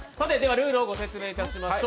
ルールをご説明いたしましょう。